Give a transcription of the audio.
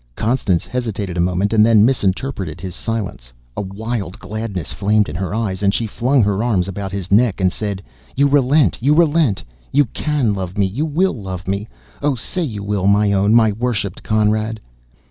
Constance hesitated a moment, and then, misinterpreting his silence, a wild gladness flamed in her eyes, and she flung her arms about his neck and said: "You relent! you relent! You can love me you will love me! Oh, say you will, my own, my worshipped Conrad!'"